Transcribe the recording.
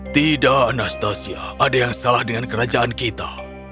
tidak anastasia ada yang salah dengan kerajaan kita